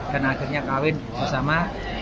dan akhirnya kawin bersama